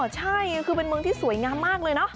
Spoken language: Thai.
ใช่คือเป็นเมืองที่สวยงามมากเลยเนอะ